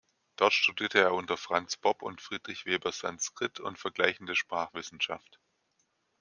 Dort studierte er unter Franz Bopp und Friedrich Weber Sanskrit und Vergleichende Sprachwissenschaft.